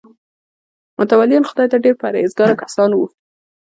متولیان خدای ته ډېر پرهیزګاره کسان وو.